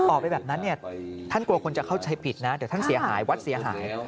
ออกไปแบบนั้นเนี่ยท่านกลัวคนจะเข้าใจผิดนะเดี๋ยวท่านเสียหายวัดเสียหาย